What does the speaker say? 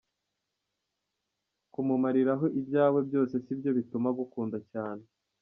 Kumumariraho ibyawe byose sibyo bituma agukunda cyane.